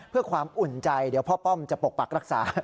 เพื่อความอุ่นใจเดี๋ยวพ่อป้อมจะปกปักรักษา